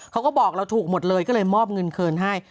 เขาก็บอกเราถูกหมดเลยก็เลยมอบเงินคืนให้